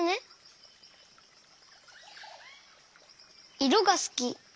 いろがすき。